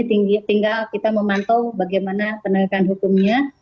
tinggal kita memantau bagaimana penegakan hukumnya